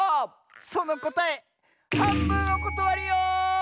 そのこたえはんぶんおことわりよ！